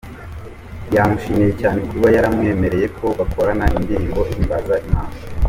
Yamushimiye cyane kuba yaramwemereye ko bakorana indirimbo ihimbaza Imana.